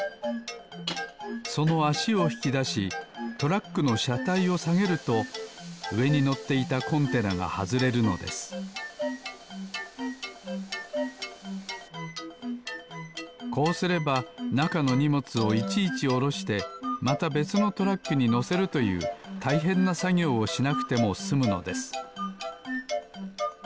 そのあしをひきだしトラックのしゃたいをさげるとうえにのっていたコンテナがはずれるのですこうすればなかのにもつをいちいちおろしてまたべつのトラックにのせるというたいへんなさぎょうをしなくてもすむのです